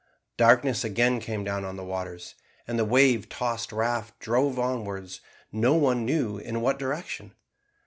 Darkness again came down on the waters, and the wave tossed raft drove onwards no one knew in what direction.